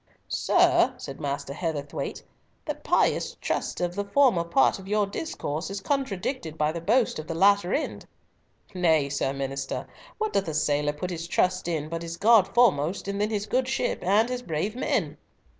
"Sir," said Master Heatherthwayte, "the pious trust of the former part of your discourse is contradicted by the boast of the latter end." "Nay, Sir Minister, what doth a sailor put his trust in but his God foremost, and then his good ship and his brave men?"